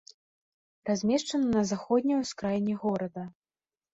Размешчана на заходняй ускраіне горада.